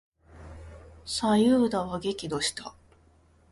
左右田は激怒した。